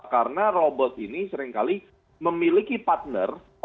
karena robot ini seringkali memiliki partner